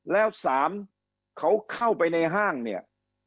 แล้ว๓เขาเข้าไปในห้างเนี่ย